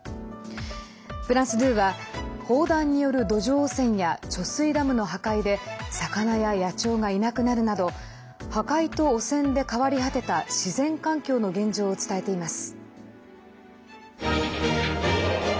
フランス２は、砲弾による土壌汚染や貯水ダムの破壊で魚や野鳥がいなくなるなど破壊と汚染で変わり果てた自然環境の現状を伝えています。